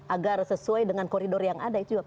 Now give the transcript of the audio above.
agar sesuai dengan koridor yang ada